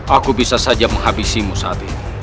aku bisa saja menghabisimu saat ini